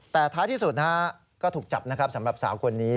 แต่ท้ายที่สุดนะฮะก็ถูกจับนะครับสำหรับสาวคนนี้